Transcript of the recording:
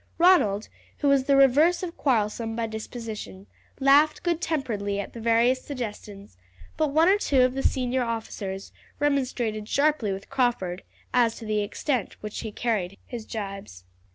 Ronald, who was the reverse of quarrelsome by disposition, laughed good temperedly at the various suggestions; but one or two of the senior officers remonstrated sharply with Crawford as to the extent to which he carried his gibes.